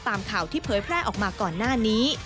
ตามข่าวที่เผยแพร่ออกมาก่อนหน้านี้